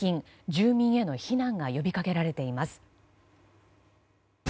住民への避難が呼び掛けられています。